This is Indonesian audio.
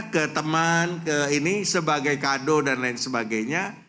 ke teman ini sebagai kado dan lain sebagainya